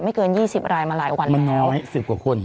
ไม่เกินยี่สิบรายมาหลายวันมันน้อยสิบกว่าคน